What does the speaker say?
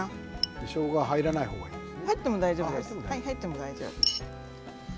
しょうが入らないほうがいいですか。